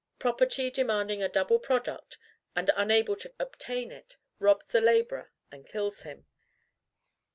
Property, demanding a double product and unable to obtain it, robs the laborer, and kills him.